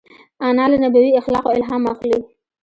انا له نبوي اخلاقو الهام اخلي